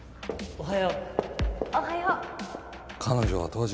おはよう。